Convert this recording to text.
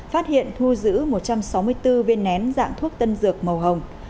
phát hiện thu giữ một trăm sáu mươi bốn viên nén dạng thuốc tân dược màu hồng